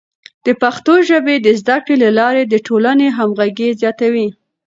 د پښتو ژبې د زده کړې له لارې د ټولنې همغږي زیاتوي.